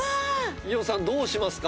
伊代さんどうしますか？